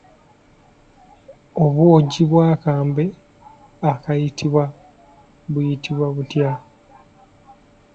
Obwogi bw'akambe akayitibwa buyitibwa butya?